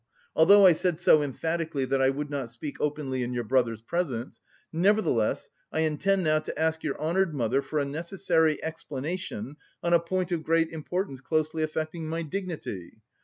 Although I said so emphatically that I would not speak openly in your brother's presence, nevertheless, I intend now to ask your honoured mother for a necessary explanation on a point of great importance closely affecting my dignity.